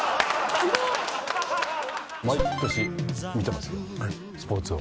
毎年見てますよ『スポーツ王』。